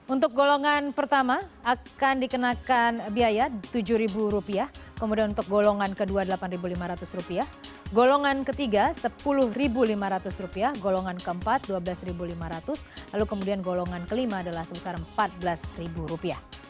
untuk golongan pertama akan dikenakan biaya rp tujuh kemudian untuk golongan kedua rp delapan lima ratus golongan ketiga rp sepuluh lima ratus golongan keempat rp dua belas lima ratus lalu kemudian golongan kelima adalah sebesar rp empat belas